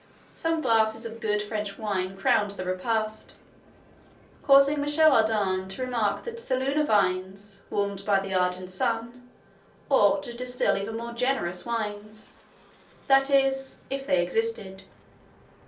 Some glasses of good French wine crowned the repast, causing Michel Ardan to remark that the lunar vines, warmed by that ardent sun, ought to distill even more generous wines; that is, if they existed.